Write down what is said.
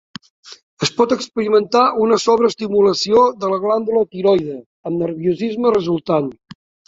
Es pot experimentar una sobre-estimulació de la glàndula tiroide amb nerviosisme resultant.